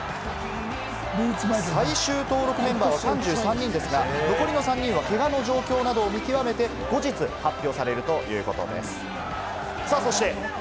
最終登録メンバーは３３人ですが、残りの３人はけがの状況などを見極めて後日発表されるということです。